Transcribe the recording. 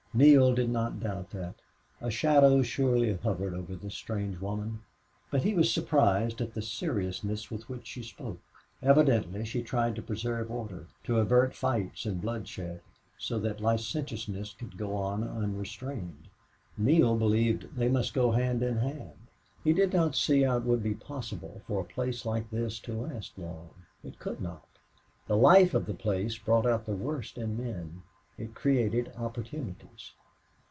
Neale did not doubt that. A shadow surely hovered over this strange woman, but he was surprised at the seriousness with which she spoke. Evidently she tried to preserve order, to avert fights and bloodshed, so that licentiousness could go on unrestrained. Neale believed they must go hand in hand. He did not see how it would be possible for a place like this to last long. It could not. The life of the place brought out the worst in men. It created opportunities.